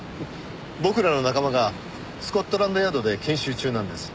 僕らの仲間がスコットランドヤードで研修中なんです。